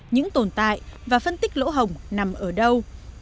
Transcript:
những tồn tại và phân tích lỗ hồng nằm ở đâu